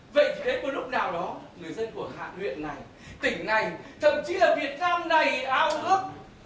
vậy thì đến có lúc nào đó người dân của hạ huyện này tỉnh này thậm chí là việt nam này áo ước